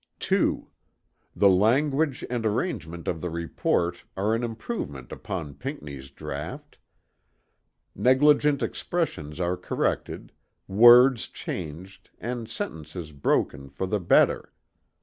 "2. The language and arrangement of the Report are an improvement upon Pinckney's Draught. Negligent expressions are corrected, words changed and sentences broken for the better.